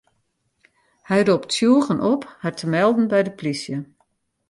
Hy ropt tsjûgen op har te melden by de plysje.